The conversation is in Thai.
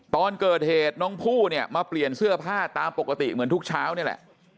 ตอนเกิดเหตุน้องผู้เนี่ยมาเปลี่ยนเสื้อผ้าตามปกติเหมือนทุกเช้านี่แหละ